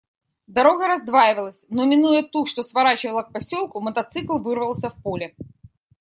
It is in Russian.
Дорога раздваивалась, но, минуя ту, что сворачивала к поселку, мотоцикл вырвался в поле.